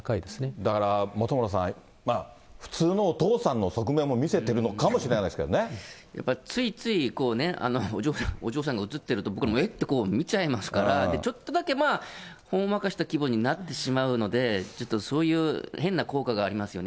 だから、本村さん、普通のお父さんの側面も見せてるのかもしやっぱりついつい、お嬢さんが写ってると、僕らもえっ？って見ちゃいますから、ちょっとだけ、ほんわかした気分になってしまうので、ちょっとそういう変な効果がありますよね。